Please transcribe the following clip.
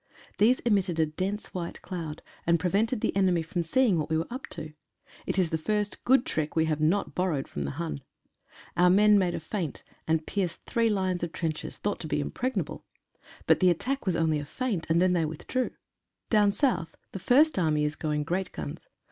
These emitted a dense white cloud, and prevented the enemy from seeing what we were up to. It is the first good trick we have not bor rowed from the Hun. Our men made a feint, and pierced US ALL ALONG THE LINE. three lines of trenches, thought to be impregnable. But the attack was only a feint, and they then withdrew. Down south the First Army is going great guns.